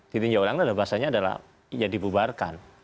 ditinjau ulang itu adalah bahasanya adalah ya dibubarkan